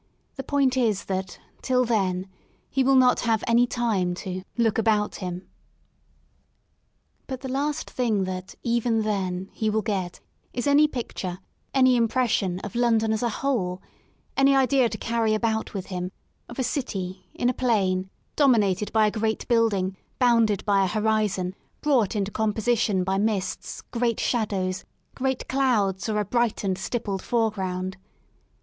The point is that, till then^ he will not have any time to look about him/' II But the last thing that, even then, he will get is any picture, any impression of London as a whole, any idea to carry about with him — of a city, in a plain, domin ated by a great building, bounded by a horizon, brought into composition by mists, great shadows, great clouds or a bright and stippled foreground.